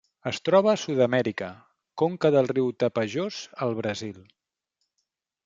Es troba a Sud-amèrica: conca del riu Tapajós al Brasil.